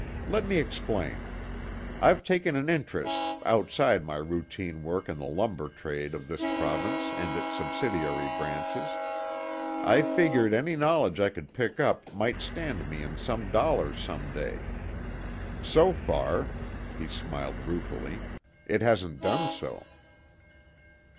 Let me explain. I've taken an interest, outside my routine work in the lumber trade of this province and its subsidiary branches. I figured any knowledge I could pick up might stand me in some dollars some day. So far" he smiled ruefully "it hasn't done so."